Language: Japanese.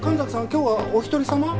今日はお一人様？